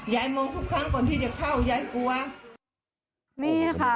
อย่าให้มองทุกครั้งก่อนที่จะเข้าอย่าให้กลัว